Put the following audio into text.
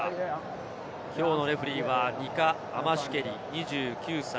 きょうのレフェリーはニカ・アマシュケリ、２９歳。